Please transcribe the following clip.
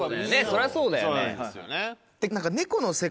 そりゃそうだよね。